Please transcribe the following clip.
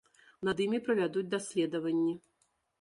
Над імі правядуць даследаванні.